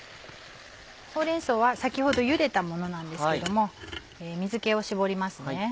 ほうれん草は先ほどゆでたものなんですけれども水気を絞りますね。